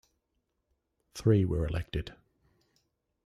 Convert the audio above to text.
Three were elected.